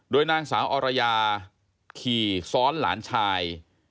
นางสาวอรยาขี่ซ้อนหลานชาย